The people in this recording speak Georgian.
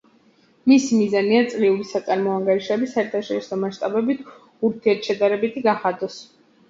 მისი მიზანია წლიური საწარმო ანგარიშები საერთაშორისო მასშტაბებით ურთიერთ შედარებითი გახადოს.